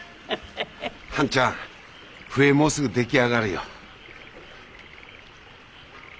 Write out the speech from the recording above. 半ちゃん笛もうすぐ出来上がるよ。